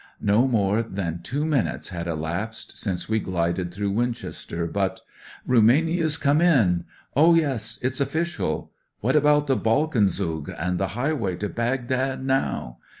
No more than two minutes had elapsed since we glided through Win chester. But: " Rumania's come in." Oh, yes ; it's official." What about the Balkan Zug and the highway to Baghdad now